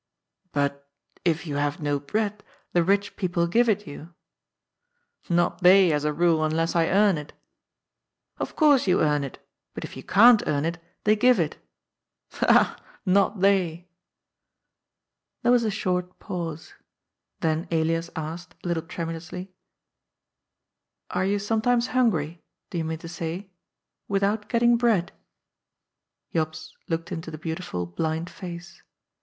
" But, if you have no bread, the rich people give it you. " Not they, as a rule, unless I earn it." " Of course you earn it. But if you can't earn it, they give it." «Ha, ha! Not they." There was a short pause. Then Elias asked, a little tremulously : "Are you sometimes hungry, do you mean to say?— without getting bread ?"> Jops looked into the beautiful, blind face.